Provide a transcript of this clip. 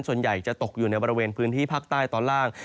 ส่วนใหญ่จะตกอยู่ในบริเวณพื้นที่ภาคใต้ตอนล่าง